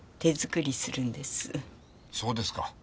そうですか。